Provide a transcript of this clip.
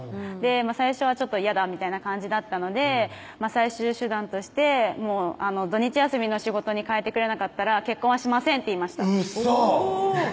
最初は「やだ」みたいな感じだったので最終手段として「土日休みの仕事に変えてくれなかったら結婚はしません」って言いましたウソ！